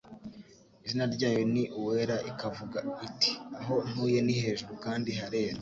izina ryayo ni Uwera ikavuga iti: aho ntuye ni hejuru kandi harera.